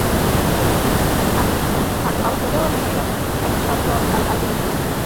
Shakib out হলেও মুশফিক একপ্রান্ত আগলে রেখে রানের চাকা সচল রাখেন।